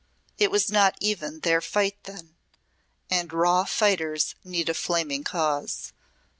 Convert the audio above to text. It was not even their fight then and raw fighters need a flaming cause.